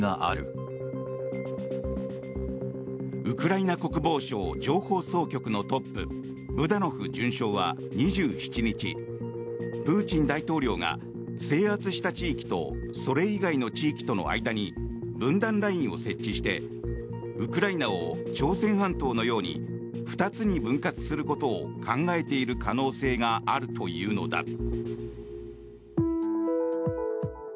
ウクライナ国防省情報総局のトップブダノフ准将は２７日プーチン大統領が制圧した地域とそれ以外の地域との間に分断ラインを設置してウクライナを朝鮮半島のように２つに分割することを考えている可能性があるというのだ。